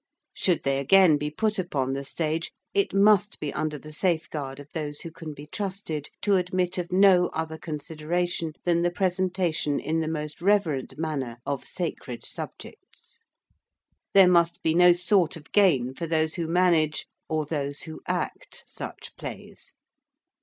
Should they again be put upon the stage it must be under the safeguard of those who can be trusted to admit of no other consideration than the presentation in the most reverent manner of sacred subjects. There must be no thought of gain for those who manage, or those who act, such plays.